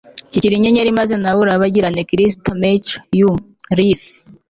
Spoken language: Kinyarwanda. shikira inyenyeri maze nawe urabagirane. - christa mcauliffe